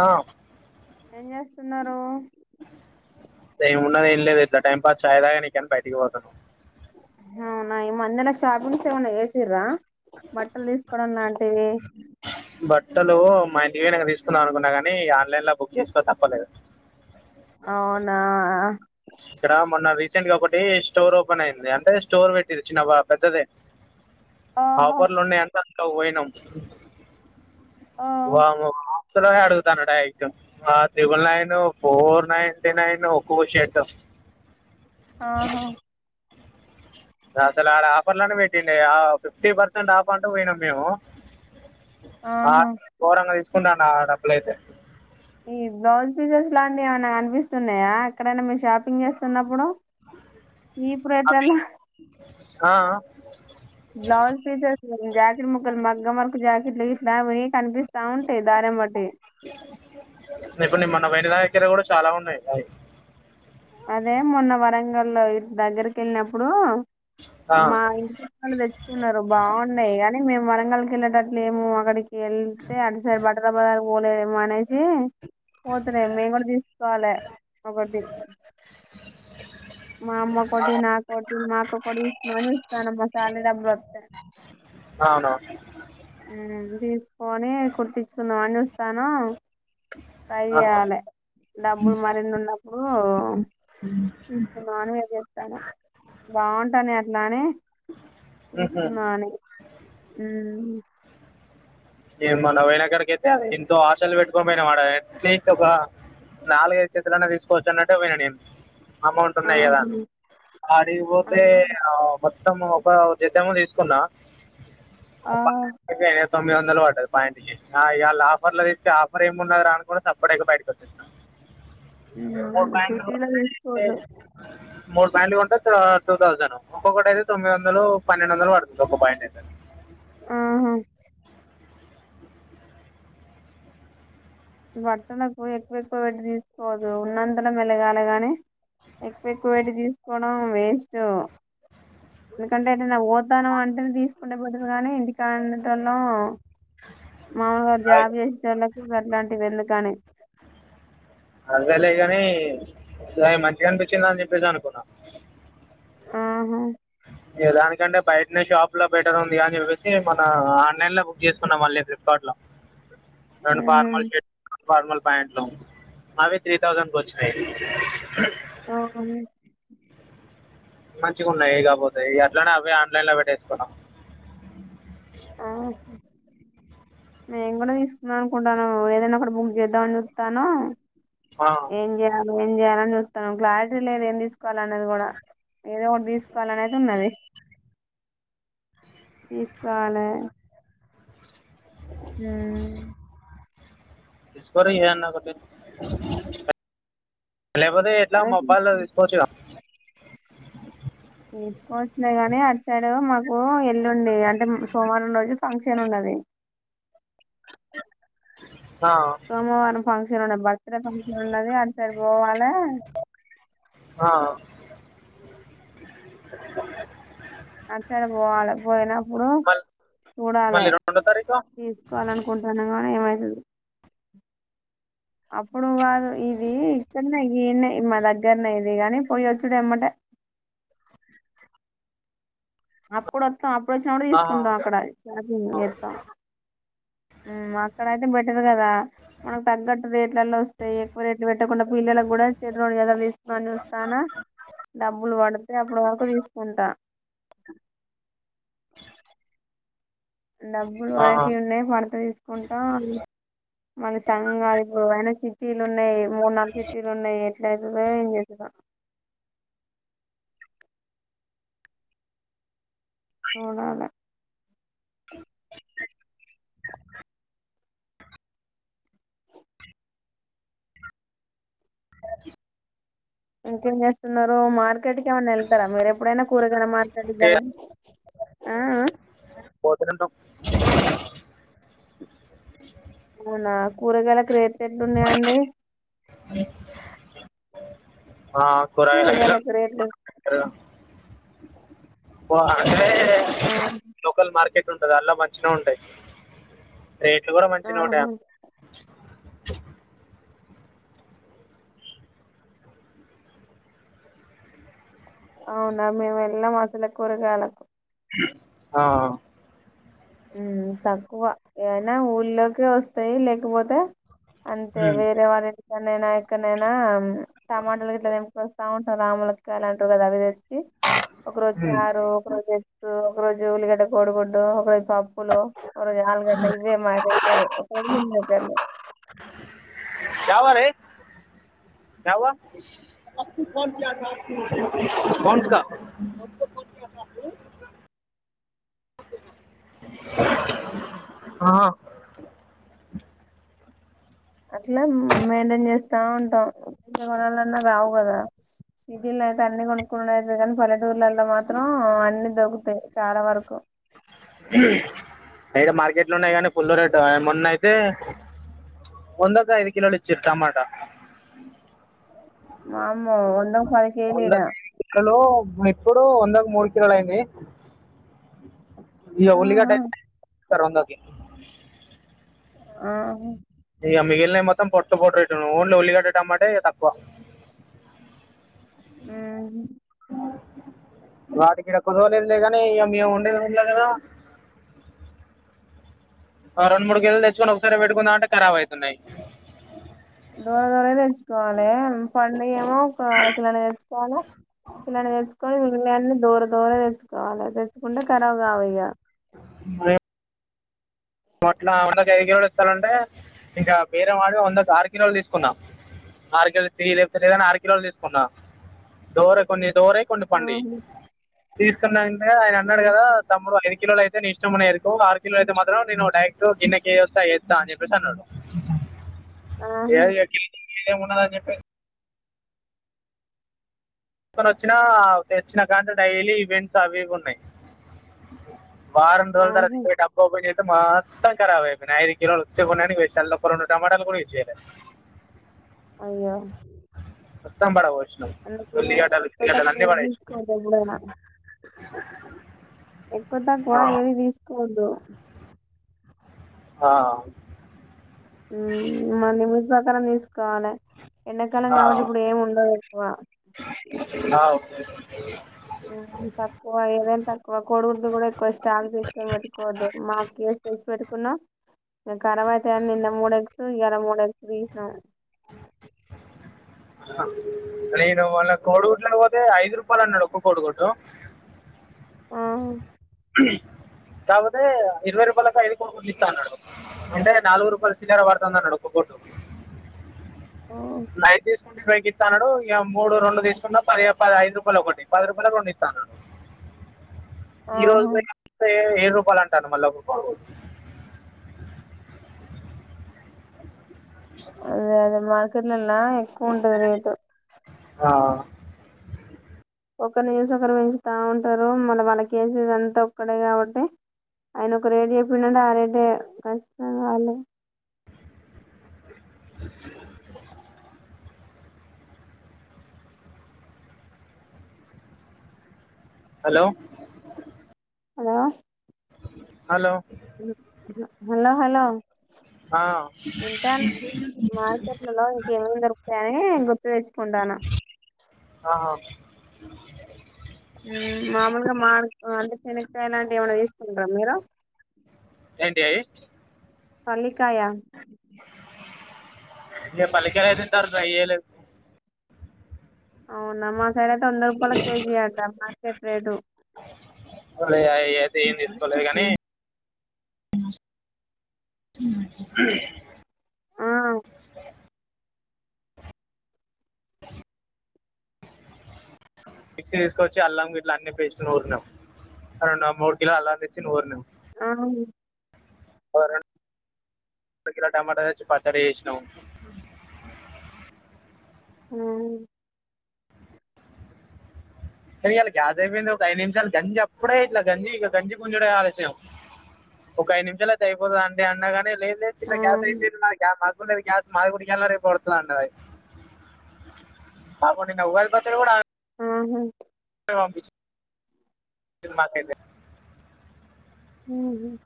ఆ ఏన్ జేస్తున్నారు. ఏమున్నది ఏం లేద్ ఇట్ల టైం పాస్ ఛాయ్ దాగనీకన్ బైటిక్ పొతాన్నం. అవ్నా ఈ మందనా షాపింగ్స్ ఏమన్న చేసింరా బట్టల్ దిస్కోవడం లాంటియి బట్టలు మా ఇంటికి పోయినంక తీస్కుందాం అనుకున్నా గనీ ఇగ ఆన్లైన్ల బుక్ చేస్కో తప్పలేదు. అవునా ఇక్కడ మొన్న రీసెంట్గా ఒకటి స్టోర్ ఓపెన్ అయింది. అంటే స్టోర్ వెట్టిర్రు చిన్న బా పెద్దదే ఓహో ఆఫర్లున్నయని సక్కగ్ పోయినం. ఓ వామ్మో వ ముసలోడే అడుగుతాండు డైరెక్ట్ ఆ త్రిబుల్నైను, ఫోర్ నైటీ నైను, ఒక్కో షర్ట్ ఆహా అసలాడ ఆఫర్లనే పెట్టిండే ఫిఫ్టీ పర్సెంట్ ఆఫ్ అంటే పొయినం మేము ఆ ఆహా ఘోరంగా తీస్కుంటాన్ ఆ డబ్బులైతే ఈ బ్లౌజ్ పీసెస్ లాంటియ్ ఎవన్నా కన్పిస్తున్నాయా ఎక్కడైనా మీర్ షాపింగ్ జేస్తున్నప్పుడు. ఈ ప్రయత్నంల్లా కా ఆ బ్లౌజ్ పీసేస్ జాకిట్ముక్కలు మగ్గంవర్క్ జాకిట్లు గిట్లా అవ్వి కన్పిస్త్ కౌంటే దారంబట్టి ఇక్కడ కూడా చాలా ఉన్నయి. అదే మొన్న వరంగల్లో దగ్గర్కెళ్ళినప్పుడూ ఆ, మా ఇంటి పక్కొల్లు తెచ్చుకున్నరు బాగున్నాయి కానీ మేము వ అసల్కెళ్ళేటట్లేము అక్కడికి ఎళ్తే అటు సైడ్ బట్టల బజార్ పోలేదేమో అనేసి పోతున్నాయి మేము కూడా తీసుకోవాలె ఒకటి మా అమ్మకోటి నాకోటి మా అక్క కోటి తీసుకుందామని నా సాలరీ డబ్బులు వస్తే ఆ ఉమ్ తీసుకోని కుట్టించుకుందాం చూస్తాను సై ఆ, చేయాల డబ్బులు మరిన్ని ఉన్నప్పుడు తీసుకుందాం అని వెయిట్ చేత్తన్న బాగుంటానై అట్లానే మ్హూ. తీసుకుందాం అని ఊ ఏ మొన్న బోయిన కడికైతే అది ఎంతో ఆశలు పెట్టుకొని పోయినం ఆడ అట్లిస్ట్ ఒక నాలుగైదు జతలన్న తీసుకోవచ్చు అన్నట్టే పోయినా నేను అమౌంట్ ఆ ఉన్నాయి కదా అని అడిగి ఆ పోతే మొత్తం ఒక జతేమో తీసుకున్నా ఆ. ఓ పాయింట్ కే తొమ్మిది వందలు వందలు పడ్డది పాయింట్ కి ఆ ఇయాల ఆఫర్ ల చూస్తే ఆఫర్ ఏమున్నది రా అనికొన్ సప్పడేయాక బయటకు వచ్చేశ్న. ఓ పాయింట్ సిటీలో తీసుకోవద్దు [unintelligible] మూడు పాయింట్లు కొంటే టు టూ థౌసండ్. ఒక్కొకటి అయితే తొమ్మిది వందలు, పన్నెండు వందలు పడుతుంది. ఒక పాయింట్ అయితే. ఆహ బట్టలకు ఎక్కువ ఎక్కువ వెట్టి తీసుకోవద్దు ఉన్నంతల మెలగాలి గాని ఎక్కువ ఎక్కువ వెట్టి తీసుకోవడం వేస్ట్ ఎందుకంటే ఓతానం అంటేనే తీసుకుంటే పోతది గానీ ఇంటికాడ ఉండేటోలం. మామలుగా జాబ్ జేసే టోళ్లకి గట్లాంటి అడ్గలే గాని గయి మంచిగనిపించింది అని చెప్పేసి అనుకున్న ఆహా దానికంటే బయటనే షాప్ లో బెటర్ ఉంది. అని చెప్పేసి మన ఆన్లైన్ లో బుక్ చేసుకున్నాం. మళ్ళీ ఫ్లిప్కార్ట్ లో రెం ఫార్మల్ షర్ట్ లు ఫార్మల్ ప్యాంట్లు అవి త్రీ థౌజండ్కి వచ్చినయ్. ఆ అవును మంచిగున్నయి కాపోతేయి ఇగ అట్లనే అవి ఆన్లైన్ లో వెట్టేసుకున్నా ఆహ్ మేము కూడా తీసుకుందాం అనుకుంటానం ఏదైనా ఒకటి బుక్ చేద్దామని చూత్తాను. ఆ, ఏం జయాల నువ్ ఏం జయాల అని సగం క్లారిటీ లేదు ఏం తీసుకోవాలి అనేది కూడా ఏదో ఒకటి తీసుకోవాలనైతే ఉన్నది. తీస్కోవలె హ్మ్ ఊ తీసుకో రా ఏదన్నా ఒకటి లేకపోతే ఎట్లా అదే మొబైల్లో తీసు తీసుకోవచ్చు గా తీసుకోవచ్చులే గానీ అటు సైడ్ మాకు ఓ ఎల్లుండి అంటే సోమవారం రోజు ఫంక్షన్ ఉన్నది. సోమవారం ఫంక్షన్ ఉన్నది. బర్త్డే ఫంక్షన్ ఉన్నది. అటు సైడ్ పోవాలే ఆ అటు సైడే పోవాల పోయినప్పుడు మళ్ళీ చూడాలే మళ్ళీ రెండో తారీఖు తీసుకోవాల అనుకుంటున్నా కానీ ఏమైతదో అప్పుడు కాదు ఇది ఇక్కడనే గీన్నె మా దగ్గరనే ఇది కాని పోయిొచ్చుడు ఏమ్మటే అప్పుడు ఒత్తం అప్పుడు వచ్చినప్పుడే ఆహా తీసుకుంటాం అక్కడ షాపింగ్ గట్టా మ్ అక్కడ అయితే బెటరు కదా. మనకు తగ్గట్టు రేట్లలన్నీ వస్తాయి. ఎక్కువ రేట్లు పెట్టకుండా పిల్లలకు కూడా చ్చదు అట్లతీష్ మన వస్తానా డబ్బులు పడితే అప్పడ వరకు తీసుకుంటా డబ్బులు ఆహా పడితేయ్ ఉన్నాయి పడత తీసుకుంటా మన సంఘాలిప్పు అయినాచి టీలు ఉన్నాయి మూడ్ నాలుగు చిటీలు ఉన్నాయి ఎట్ల యితదో ఏం చేసదొ సూడాలే ఇంకేం చేస్తున్నారు మార్ కెట్కి ఏమన్నా ఎల్తరా మీరు ఎప్పుడైనా కూరగాయల మార్కెట్కి అంటే గానీ పోతూనేయుంటం అవునా కూరగాయలక్ రేట్లు ఎట్లా ఉన్నాయి అండి ఆ కూరగాయలు కూరగాయలకు రేట్లు బా ఆ ఉంటంది అల్ల మంచిగానే ఉంటాయి రేట్లు కూడా మంచిగా ఉంటాయి అ ఆహా అవునా మేము ఎలాం అసలే కూరగాయలకు ఆ మ్ తక్కువ ఏవన్నా ఊళ్లోకే వస్తాయి లేకపోతే అంతే హ్మ్ వేరే వాళ్ళ ఇంటికాడ్ ఎక్కనైనా ఎక్కడనైనా టమాటాలు గిట్లా టెంకోస్తా ఉంటాం రాములకై అంటారు కదా అవి తెచ్చి ఒకరోజు హ్మ్ చారు ఒక ఒక్క రోజు ఎగ్గూ ఒక్క రోజు ఉల్లిగడ్డ కోడుగుడ్డు ఒక రోజు పప్పులు ఒక రోజు ఆలుగడ్ట్ట ఇవే మ రు ఒకరూ నిన్నక్కాల కాయ్ వా రే క్యఉవా కొన్సాకా ఆ అ అట్లా మెయింటైన్ చేస్తా ఉంటాం జీవి కొణాలన్నా రావు కదా సిటిల్ యితే అన్ని కొనుకునుడు ఐతది కానీ పల్లెటూరు మాత్రం అన్ని దొకుతాయి చాలా వరకు ఎడా మార్కెట్లు ఉన్నాయి కానీ ఫుల్ రేట్ మొన్న అయితే వందకు ఐదు కిలోకు ఇచ్చరు టమాటా వామ్మో వందకు పది కేజీలు ఈడ వందకి ఇప్పుడు మెకూడో మూడు కిల్లోలైంది ఇగా ఉల్లిగడ్ ఆహా అయితే ఈసారీ వందకి ఆహ ఇగా మిగిలినయి మొత్తం పొట్టు పోట్టు రేటును ఓన్లీ ఉల్లిగడ్డ టమాటే తక్కువ ఉమ్ వాటికి ఇడ కుదరలేదు లే కాని ఇగా మేము ఉండేకదా ఊరులో కదా ఆ రెండు మూడు కేజీలు తెచ్చుకుని ఒకసారె పెటుకుందాంమంటే కారబ్ అయితున్నాయి దొర దొరవి తెచ్చుకోవాలే పండు ఏమో ఒక అర కిలో తెచ్చుకోవాలే కిలాల తెచ్చుకొని ఇగాన్ని దొర దొర తెచ్చుకోవాలే తెచ్చుకుంటే కరాబ్ కవ్ఇగ అట్లా వందకి ఐదు కిలోలు ఇస్తానంటే ఇంకా బెరం ఆడి వందకి ఆరు కిలోలు తీసుకున్నా ఆర కలో చేయి లేప్తాలేదన్ ఆరూ కిలోల్ తీసుకున్నా దోర కొన్ని దోరై కొన్ని పండియ్ ఉహు తీస్కున్న అంటే ఆయన అన్నాడ్ ఉమ్ గదా తమ్ముడ్ ఐదు కిలోలు అయ్ గ ని ఇష్టంమున్నయ్ ఎరుకో ఆరు కిలో ఐతే మాత్రం నేను ఒ నైట్ గిన్నకి వస్తా ఎస్తా అని చెప్పేసి అన్నాడ్ ఏ ఆహా ఎ మీదేమ్ ఉన్నదన్ చెప్పేస్ తీస్కొనోచ్చినా తెచ్చినా కాడ్నుండి డైలీ ఈవెంట్స్ అవి ఇవి ఉన్నాయ్ వారం రోజుల్ తర్వత ఆహా ఇప్పుడె డబ్బా ఒపేన్ చేస్తే మొత్తం కరాబైపోయ్నయ్ ఐదు కిలోలు కొన్ననికి పెట్న అల్ల ఒక్క రొండు టమాటాల్ కూడ్ వేస్ట్ అయినాయి అయ్యో మోత్తాంబడవోయ్ అదే ఎక్వ తక్వ ఎం పడేసినాం తీస్కోకన్ మనద్ ఎక్వ తక్వ ఆ, ఏది తీస్కోద్దు ఆ ఉమ్ మన లిమిట్స్ పక్కన తీస్కోవలే ఎండాకాలం ఆ, కాబట్టి ఇప్పుడ్ ఆ. ఏం ఉండద్ ఎక్వ ఆ ఓకే అ మ్ తక్వ ఏదైన్ తక్వ కొడుగుడ్లు కూడా ఎక్కువ స్టాక్ తీసుకొని పెట్టుకోవద్దు మాకె తెచ్చ్ పెట్కున్నా ఇంక కరబైతై అని నిన్న మూడేగ్సూ ఇయలా మూడేగ్సూ తీస్నా నేను ఇవాళ్ళ కోడుగుడ్లకు పోతే ఐదు రూపాల్ అన్నాడ్ ఒక్క కోడుగుడ్డు ఆ కుమ్ కపోతే ఇర్వై రూపాలక్ ఐదు కోడిగుడ్లు ఇస్తా అన్నడు వెంటనే నల్గు రూపాయ చిల్లర పాడుతోంది అన్నడు ఒక్కకోడ్ లైతీస్ టోన్టీ ఫైకిస్తానడు ఇగ మూడు రోండు తీస్కున్న పయ పద్ ఐద్ రూపాలోకటి పద్ రూపాలక్ రోండీస్తాన్నాడ్ ఈ రోజ్ ఆహా ఏ అంటే ఏడ్ రూపాల్ అంటాండు మళ్ల ఒక కోడిగుడు అదే అదే మార్కెట్ లున్న ఎక్కువుంటది రేటు ఆ ఒకరని చూసి ఒకరు పెంచుత ఉంటారు మళ్ళ వాళ్లకేసేది అంత ఒక్కడే కాబట్టి ఆయన ఒక రేట్ చెప్పిన్డంటే ఆ రేటే కచితంవలె hello hello hello hello hello ఆ, వింటాన్న మార్కెట్లలో ఇంకేమేమ్ దొరుక్తాయని గుర్తు తెచ్చ్కుంటానా ఆహా ఉమ్ మామూల్గా మార్ అంతే శనకాయ లాంటి ఏమైనా తీస్కుంటుంర మీరు ఎంటియయి పల్లికాయ ఇంకా పల్లికయ తింటార్ గ యేలే అవునా మా సైడ్ ఐతే వంద రూపాలక్ కేజీ అంట మార్కెట్ రేటు ఒర్నియ అ ఐతే ఏం తీస్కోలే గాని ఉహహ్ ఆ మిక్సీ తీస్కొచ్చి అల్లం గిట్లా అన్ని పేస్ట్ నూరినం అరున్న మూడ్ కిలో అల్లం దెచ్చి నూర్నమ్ అవును [inaudible] తర్వాత అద కిల టమాటలు తెచ్చి పచ్చడి చేసినం ఉహ్మ్ కానీ ఇయల గ్యాస్ అయిపోయింది ఒక ఐదు నిమిషాలు గంజి అప్పుడే ఇట్ల గంజి ఇగ గంజి గుంజుడే ఆలస్యం ఒక ఐదు నిమిషాల్ అయితె అయిపోద అండి అన్నాగాని లేద్ లెద్ చిన్న ఆ గ్యాస్ అయిపోయింది నా గ్యాస్ కున్నది గ్యాస్ మాది కూడా ఇయలానో రేపో ఒడత్తదండి అ పాపం నిన్న ఉగాది పచ్చడి కూడా ఆహా ఇప్పుడే పంపించి సినిమాకైతే ఉహ్మ్మ్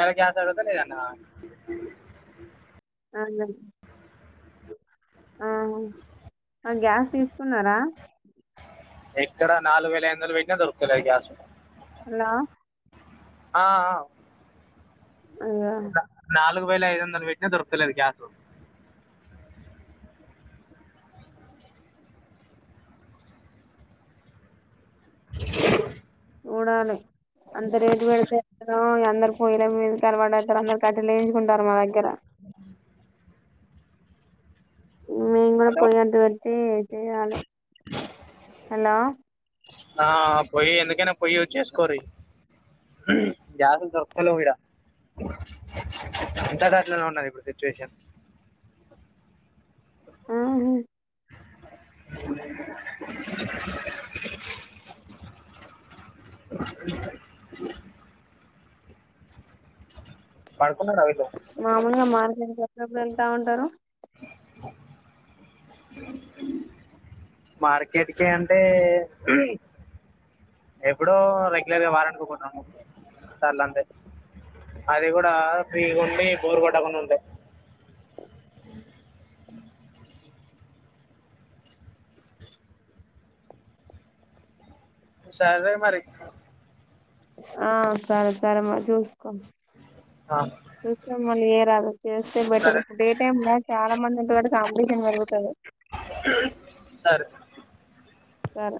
ఇయలా గ్యాస్ అడుగుతే లేదన్నదామె అ అన్న అవును అ గ్యాస్ తీసుకున్నారా ఎక్కడ నాలుగు వేయిలా ఐదు వందలు వెట్టిిన దొరకుతలేద్ గ్యాస్ హలో ఆ ఆ అయ్యో నాలుగు వేయిలా ఐదు వందలు పెట్టినా దొరకలేదు గ్యాస్ [unintelligible] చూడాలే అంత రేటు పెడితే ఎట్లనో ఇగ అందరు పోయల మీద తర్వాడ దరు అందరూ కట్టే లేయించుకుంటారు మా దగ్గర మేమ్ గూడా హలో పోయి అంటిపెట్టి చేయాలే హలో ఆ పొయ్యి ఎందుకైనా పొయ్యి యూస్ చేసుకోర్రి గ్యాస్ లు దొరక్తలేవు ఈడ అంతటా అట్లనే ఉన్నది ఇప్పుడు సిచ్యువేషన్ అ హ్ [unintelligible] [unintelligible] పడుకున్నారా వీళ్ళు తే ఎప్పడెప్పుడు ఎళ్తా ఉంటారు [unintelligible] మార్కెట్ కి అంటే ఎప్పుడో రెగ్యులర్ గా వారానికి ఒటి రెండు మూడు సార్ల అంతే అది కూడా ఫ్రీగుండి బోరు గొట్టకుండా ఉంటే సరే మరి ఆ సరే సరే మరి చూసుకో ఆ చూసుకొని మళ్ళీ చేయ రాదు చేస్తే బెట్టర్ సరే ఇప్పుడు డే టైమ్ లో చాలా మంది ఉంటారుకట్టి కాంపిటీషన్ పెరుగుతది సరే సరే